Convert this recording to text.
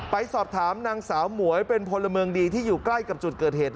ไปสอบถามนางสาวหมวยเป็นพลเมืองดีที่อยู่ใกล้กับจุดเกิดเหตุ